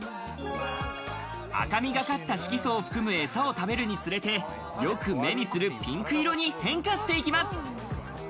赤みがかった色素を含むえさを食べるにつれてよく目にするピンク色に変化していきます。